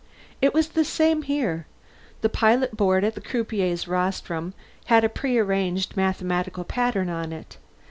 It was the same here. The pilot board at the croupier's rostrum had a prearranged mathematical pattern on it.